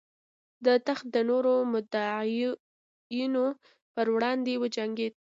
د تخت د نورو مدعیانو پر وړاندې وجنګېد.